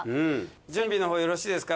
準備のほうよろしいですか？